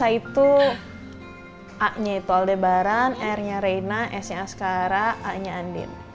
arsa itu a nya itu aldebaran r nya reina s nya askara a nya andin